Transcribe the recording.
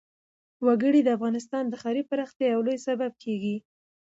وګړي د افغانستان د ښاري پراختیا یو لوی سبب کېږي.